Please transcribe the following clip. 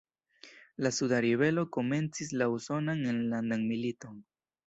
La suda ribelo komencis la Usonan Enlandan Militon.